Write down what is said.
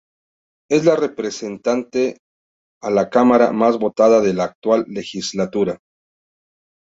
Es la Representante a la Cámara más votada de la actual legislatura.